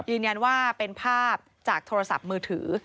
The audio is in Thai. ยืนยันว่าเป็นภาพจากโทรศัพท์มือถือ